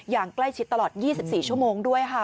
อย่างใกล้ชิดตลอด๒๔ชั่วโมงด้วยค่ะ